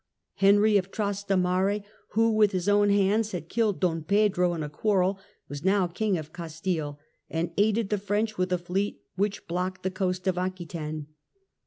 Henry of Trastamare, who with his own hands had killed Don Pedro in a quarrel, was now King of Castile, and aided the French with a fleet which blocked the coast of Aquitaine.